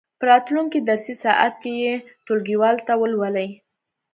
په راتلونکې درسي ساعت کې یې ټولګیوالو ته ولولئ.